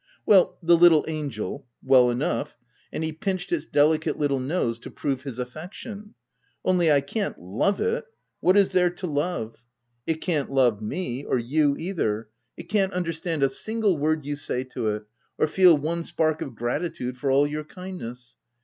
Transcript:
" Well, the little angel— well enough," and he pinched its delicate little nose to prove his affection, " only I can't love it — what is there to love ? It can't love me — or you either ; it 156 THE TENANT can't understand a single word you say to it, or feel one spark of gratitude for all your kind ness.